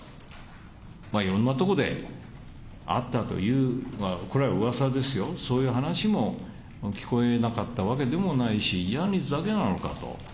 いろんなとこであったというのは、これはうわさですよ、そういう話も聞こえなかったわけでもないし、ジャニーズだけなのかと。